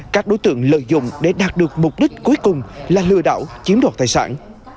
các đối tượng lợi dụng để đạt được mục đích cuối cùng là lừa đảo chiếm đoạt tài sản